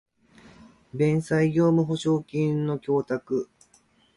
弁済業務保証金の供託